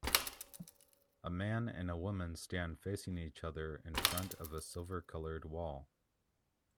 A man and a woman stand facing each other in front of a silvercolored wall.